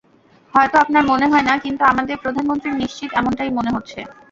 হয়ত আপনার মনে হয় না, কিন্তু আমাদের প্রধানমন্ত্রীর নিশ্চিত এমনটাই মনে হচ্ছে।